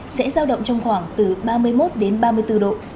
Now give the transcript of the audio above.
sẽ giao động trong khoảng từ ba mươi một đến ba mươi bốn độ